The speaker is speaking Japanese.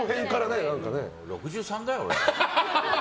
６３だよ、俺。